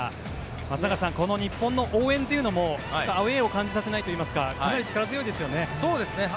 松坂さん、日本の応援というのもアウェーを感じさせないというか力強いですよね。